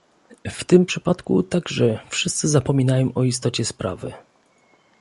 W tym przypadku także wszyscy zapominają o istocie sprawy